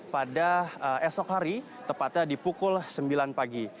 pada esok hari tepatnya di pukul sembilan pagi